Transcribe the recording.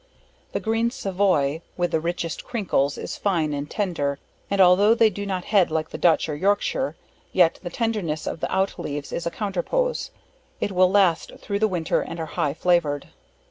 The Green Savoy, with the richest crinkles, is fine and tender; and altho' they do not head like the Dutch or Yorkshire, yet the tenderness of the out leaves is a counterpoise, it will last thro' the winter, and are high flavored.